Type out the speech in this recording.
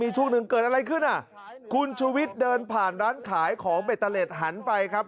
ช่วงหนึ่งเกิดอะไรขึ้นอ่ะคุณชุวิตเดินผ่านร้านขายของเบตเตอร์เล็ตหันไปครับ